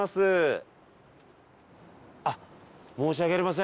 あっ申し訳ありません